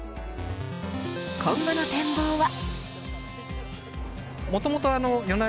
今後の展望は。